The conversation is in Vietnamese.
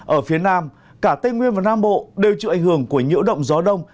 ở phía nam cả tây nguyên và nam bộ đều chịu ảnh hưởng của nhiễu động gió đông